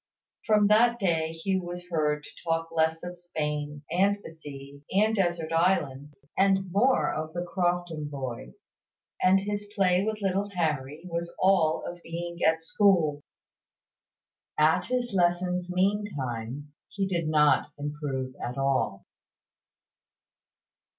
From that day Hugh was heard to talk less of Spain, and the sea, and desert islands, and more of the Crofton boys; and his play with little Harry was all of being at school. At his lessons, meantime, he did not improve at all.